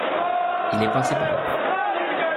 Il est passé par là.